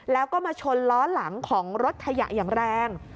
แล้วก็มาชนล้อหลังของรถขยะอย่างแรง